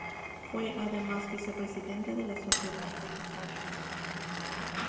Fue además vicepresidente de la Sociedad Vegetariana.